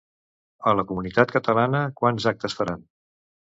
A la comunitat catalana, quants actes faran?